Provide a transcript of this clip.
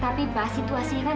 tapi pak situasi kan